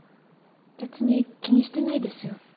別に気にしてないですよ。